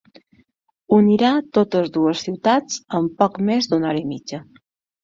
Unirà totes dues ciutats en poc més d’una hora i mitja.